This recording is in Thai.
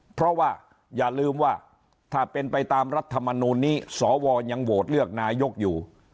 เพราะว่าอย่าลืมว่าถ้าเป็นไปตามรัฐมนูลนี้สวยังโหวตเลือกนายกอยู่